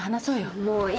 もういい。